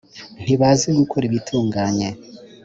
Ntibazi gukora ibitunganye,